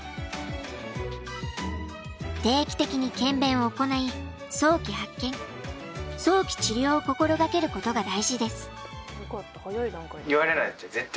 定期的に検便を行い早期発見早期治療を心掛けることが大事です。